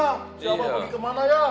si abah pergi kemana ya